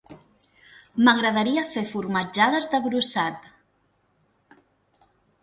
M'agradaria fer formatjades de brussat